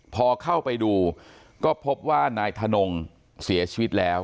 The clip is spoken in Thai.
พอเข้าไปดูก็พบว่านายทนงเสียชีวิตแล้ว